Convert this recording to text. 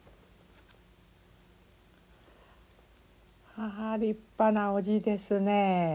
ああ立派なお字ですねえ。